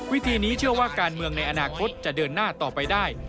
วิธีนี้เชื่อว่าการเมืองในอนาคตจะเดินหน้าต่อไปได้